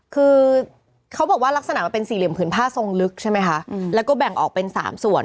คือเขาบอกว่าลักษณะมันเป็นสี่เหลี่ยผืนผ้าทรงลึกใช่ไหมคะแล้วก็แบ่งออกเป็น๓ส่วน